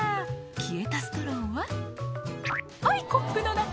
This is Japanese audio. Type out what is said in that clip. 「消えたストローははいコップの中」